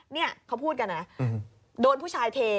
นี่เขาพูดกันนะโดนผู้ชายเท